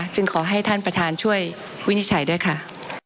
ขอให้ท่านประธานช่วยวินิจฉัยด้วยค่ะ